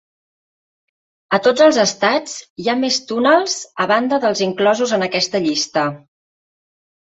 A tots els estats hi ha més túnels a banda dels inclosos en aquesta llista.